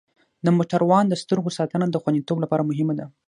د موټروان د سترګو ساتنه د خوندیتوب لپاره مهمه ده.